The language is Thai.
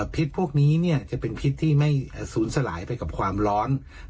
พิษพวกนี้จะเป็นพิษที่ไม่ศูนย์สลายไปกับความร้อน